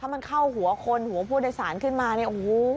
มันเข้าหัวคนหัวผู้โดยสารขึ้นมาเนี่ยโอ้โห